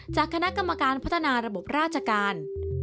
จากคณะกรรมการพัฒนาระบบราชการ